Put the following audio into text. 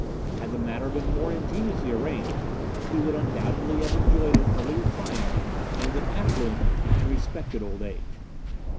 Had the matter been more ingeniously arranged, he would undoubtedly have enjoyed an earlier triumph and an affluent and respected old age.